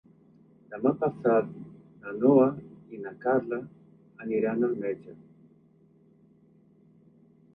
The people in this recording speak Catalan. Demà passat na Noa i na Carla aniran al metge.